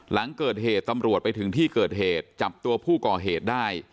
หลังเกิดเหตุตำรวจไปถึงที่เกิดเหตุจับตัวผู้ก่อเหตุได้